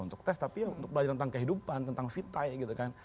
untuk tes tapi untuk belajar tentang kehidupan tentang vitai gitu kan